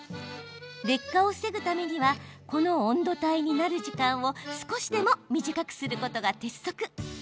劣化を防ぐためにはこの温度帯になる時間を少しでも短くすることが鉄則。